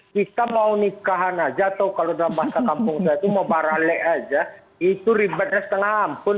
kita mau nikahan aja atau kalau dalam bahasa kampung saya itu mau barale aja itu ribetnya setengah ampun